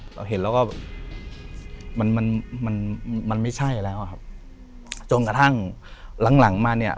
เราเห็นแล้วก็แบบมันมันไม่ใช่แล้วอะครับจนกระทั่งหลังหลังมาเนี่ย